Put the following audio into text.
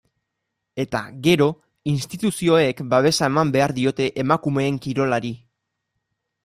Eta, gero, instituzioek babesa eman behar diote emakumeen kirolari.